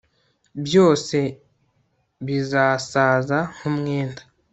byose bizasaza nk umwenda